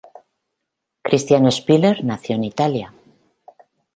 Cristiano Spiller nació en Italia.